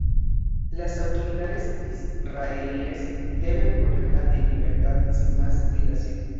Las autoridades israelíes deben ponerla en libertad sin más dilación.